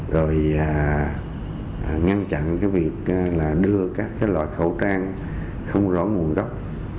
rồi ngăn chặn cái việc là đưa các loại khẩu trang không rõ nguồn gốc